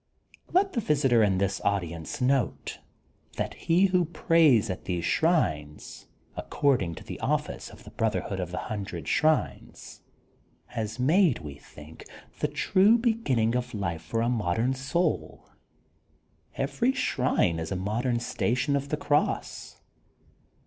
Let the visitor in this audience note that he who prays at these shrines, according to the office of The Brotherhood of The Hun dred Shrines, has made, we think, the true beginning of life for a modem soul. Every shrine is a modem Station of the Cross.